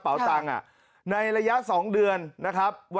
ตังค์ในระยะ๒เดือนนะครับ